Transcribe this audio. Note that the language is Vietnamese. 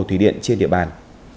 thủy điện trên địa bàn